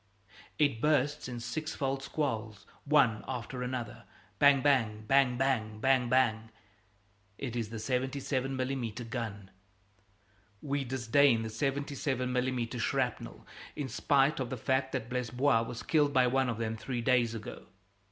It bursts in sixfold squalls, one after another bang, bang, bang, bang, bang, bang. It is the 77 mm. gun. We disdain the 77 mm. shrapnel, in spite of the fact that Blesbois was killed by one of them three days ago.